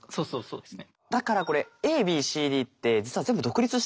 そうですね。